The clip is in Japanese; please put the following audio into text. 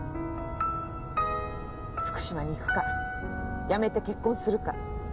福島に行くか辞めて結婚するか。